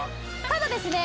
ただですね